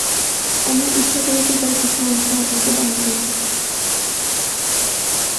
আমি ইচ্ছা করেছি তার কিছু অংশ আপনাকে দান করবো।